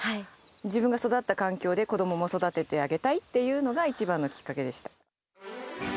自分が育った環境で、子どもも育ててあげたいというのが、一番のきっかけでした。